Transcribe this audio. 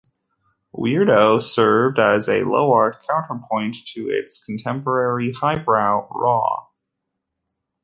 "Weirdo" served as a "low art" counterpoint to its contemporary highbrow "Raw".